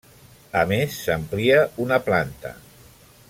A més, s'amplia una planta.